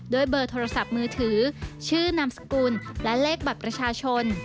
ด้วยเบอร์โทรศัพท์มือถือชื่อนามสกุลและเลขบัตรประชาชน